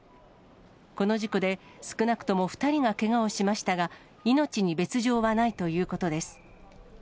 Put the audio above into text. この事故で少なくとも２人がけがをしましたが、命に別状はないということです。